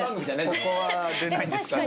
ここは出ないんですかね。